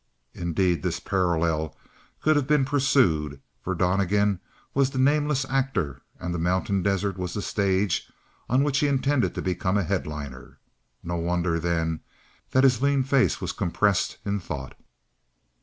Indeed, this parallel could have been pursued, for Donnegan was the nameless actor and the mountain desert was the stage on which he intended to become a headliner. No wonder, then, that his lean face was compressed in thought.